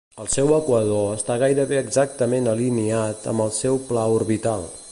El seu equador està gairebé exactament alineat amb el seu pla orbital.